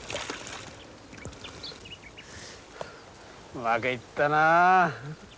うまくいったな。